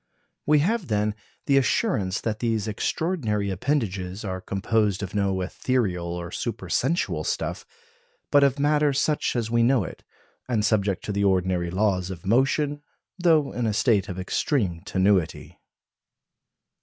We have, then, the assurance that these extraordinary appendages are composed of no ethereal or supersensual stuff, but of matter such as we know it, and subject to the ordinary laws of motion, though in a state of extreme tenuity.